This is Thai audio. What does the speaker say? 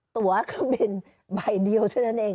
ตัวก็เป็นใบเดียวเท่านั้นเอง